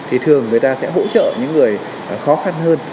thì thường người ta sẽ hỗ trợ những người khó khăn hơn